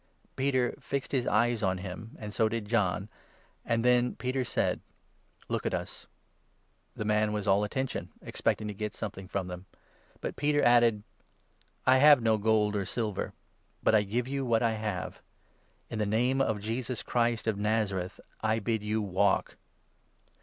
Peter fixed 4 his eyes on him, and so did John, and then Peter said : "Look at us." The man was all attention, expecting to get something from 5 them ; but Peter added : 6 " I have no gold or silver, but I give you what I have. In the Name of Jesus Christ of Nazareth I bid you walk."